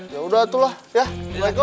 yaudah atulah ya assalamualaikum